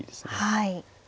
はい。